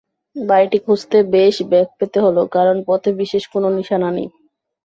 বাড়িটি খুঁজতে বেশ বেগ পেতে হলো, কারণ পথে বিশেষ কোনো নিশানা নেই।